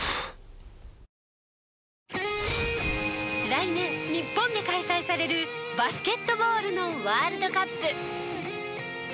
来年日本で開催されるバスケットボールのワールドカップ。